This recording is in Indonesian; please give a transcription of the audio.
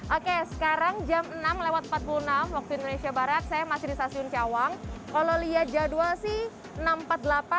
oke sekarang enam lewat empat puluh enam waktu indonesia barat saya masih di stasiun cawang kalau lihat jadwal